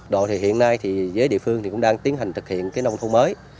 rồi thì hiện nay thì với địa phương thì cũng đang tiến hành thực hiện cái nông thôn mới